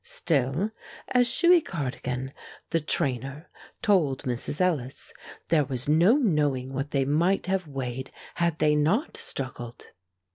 Still, as Shuey Cardigan, the trainer, told Mrs. Ellis, there was no knowing what they might have weighed had they not struggled.